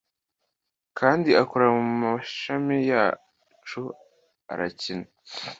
Kandi akora mumashami yacu arakina